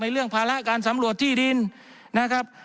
เรื่องภาระการสำรวจที่ดินนะครับ